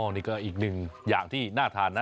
นี่ก็อีกหนึ่งอย่างที่น่าทานนะ